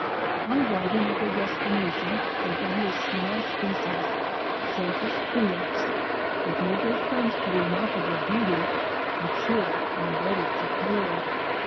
On arriving at their destination they found a small species, Saitis pulex, with no great claims to remarkable beauty, mature, and ready to pair.